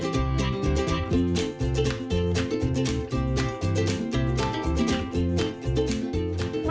ขอบคุณครับ